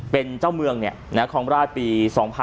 เป็นเจ้าเมืองครองมราชปี๒๐๘๘๒๐๘๙